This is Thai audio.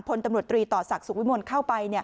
พลตำรวจตรีต่อศักดิ์สุขวิมลเข้าไป